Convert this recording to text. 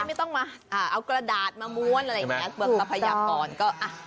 แต่ไม่ต้องเอากระดาษมามวลอะไรอย่างเนี่ย